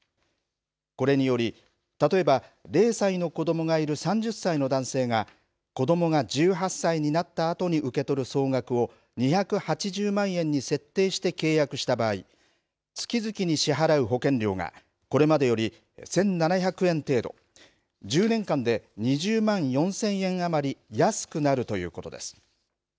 これにより例えば０歳の子どもがいる３０歳の男性が子どもが１８歳になったあとに受け取る総額を２８０万円に設定して契約した場合月々に支払う保険料がこれまでより１７００円程度１０年間で２０万４０００円余り安くなるということです。